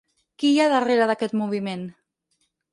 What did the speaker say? Qui hi ha darrere d'aquest moviment?